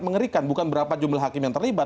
mengerikan bukan berapa jumlah hakim yang terlibat